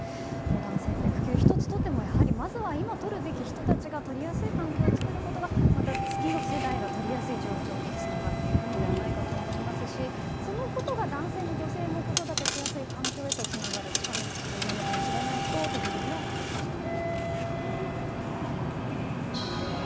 男性の育休１つとってもとるべき人たちがとりやすい環境を作ることがまた次の世代が取りやすい状況につながっていくのではないかと思いますしそのことが男性も女性も子育てしやすい環境を作る近道なのかもしれないと個人的には感じました。